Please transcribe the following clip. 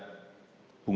dan mencari penipuan